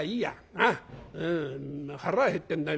なあ腹は減ってんだい。